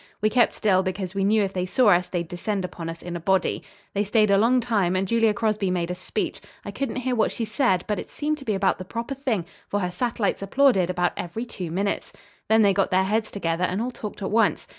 We kept still because we knew if they saw us they'd descend upon us in a body. They stayed a long time and Julia Crosby made a speech. I couldn't hear what she said, but it seemed to be about the proper thing, for her satellites applauded about every two minutes. Then they got their heads together and all talked at once.